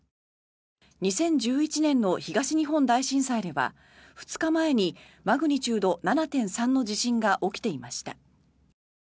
２０１１年の東日本大震災では２日前にマグニチュード７．３の地震が起きていました。